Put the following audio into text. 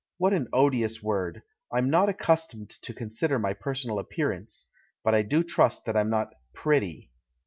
"What an odious word! I'm not accustomed to consider my personal appearance, but I do trust that I'm not pretty.'